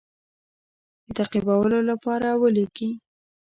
د تعقیبولو لپاره ولېږي.